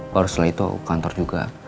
kalau setelah itu aku ke kantor juga